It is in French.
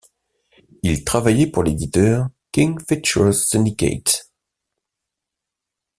Il travaillait pour l'éditeur King Features Syndicate.